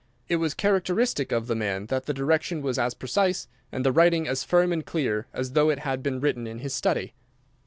It was characteristic of the man that the direction was a precise, and the writing as firm and clear, as though it had been written in his study.